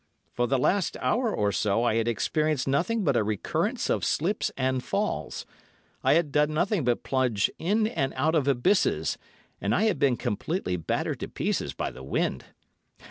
For the last hour or so I had experienced nothing but a recurrence of slips and falls, I had done nothing but plunge in and out of abysses, and I had been completely battered to pieces by the wind.